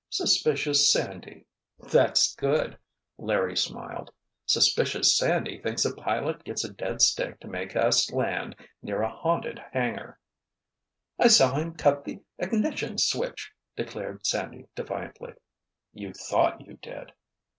"Suspicious Sandy!" "That's good," Larry smiled. "Suspicious Sandy thinks a pilot gets a dead stick to make us land near a haunted hangar——" "I saw him cut the ignition switch!" declared Sandy defiantly. "You thought you did!"